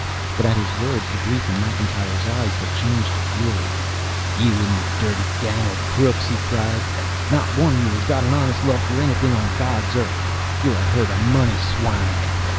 But at his words the grief in McIntyre's eyes had changed to fury. "You and your dirty gang of crooks!" he cried. "Not one of you has got an honest love for anything on God's earth! You're a herd of money swine!"